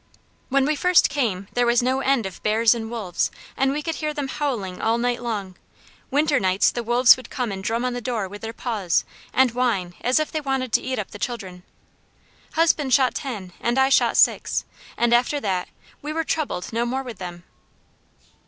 "When we first came there was no end of bears and wolves, and we could hear them howling all night long. Winter nights the wolves would come and drum on the door with their paws and whine as if they wanted to eat up the children. Husband shot ten and I shot six, and after that we were troubled no more with them.